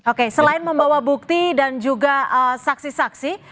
oke selain membawa bukti dan juga saksi saksi